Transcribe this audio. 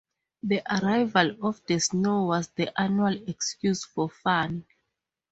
The arrival of the snow was the annual excuse for fun.